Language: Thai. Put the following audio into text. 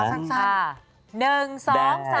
เอาสั้น